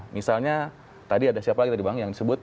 misalnya tadi ada siapa lagi yang disebut